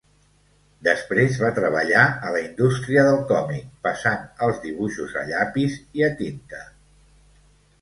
Després va treballar a la industria del còmic passant els dibuixos a llapis i a tinta.